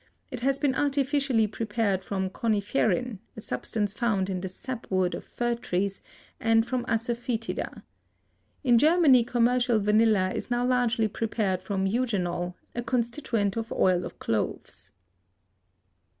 It has been artificially prepared from coniferin, a substance found in the sap wood of fir trees, and from asafoetida. In Germany commercial vanilla is now largely prepared from eugenol, a constituent of oil of cloves.